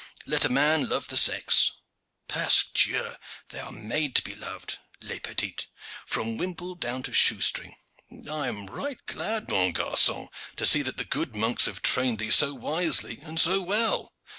Let a man love the sex. Pasques Dieu! they are made to be loved, les petites, from whimple down to shoe string! I am right glad, mon garcon, to see that the good monks have trained thee so wisely and so well."